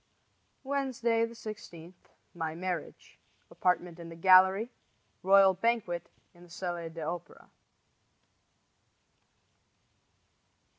Wednesday, 16 My marriage. Apartment in the gallery. Royal banquet in the Salle d'Opera.